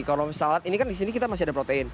kalau misalnya ini kan di sini kita masih ada protein